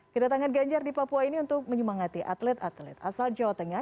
kedatangan ganjar di papua ini untuk menyemangati atlet atlet asal jawa tengah